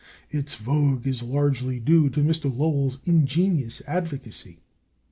Its vogue is largely due to Mr. Lowell's ingenious advocacy.